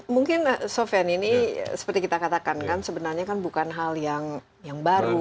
mungkin sofian ini seperti kita katakan kan sebenarnya kan bukan hal yang baru